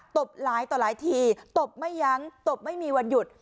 บหลายต่อหลายทีตบไม่ยั้งตบไม่มีวันหยุด